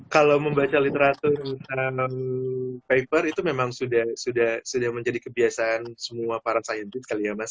kalau membaca literatur paper itu memang sudah menjadi kebiasaan semua para scientist kali ya mas